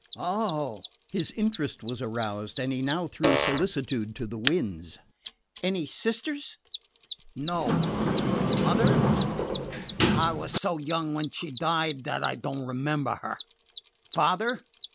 "Oh!" His interest was aroused, and he now threw solicitude to the winds. "Any sisters?" "Nope." "Mother?" "I was so young when she died that I don't remember her." "Father?"